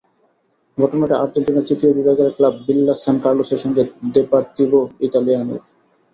ঘটনাটা আর্জেন্টিনার তৃতীয় বিভাগের ক্লাব ভিল্লা সান কার্লোসের সঙ্গে দেপোর্তিভো ইতালিয়ানোর।